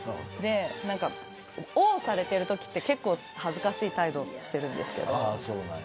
で何かＯされてるときって結構恥ずかしい態度してるんですけど。